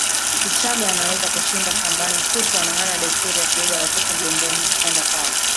Kichagga anaweza kushinda shambani kutwa na hana desturi ya kubeba watoto mgongoni kwenda nao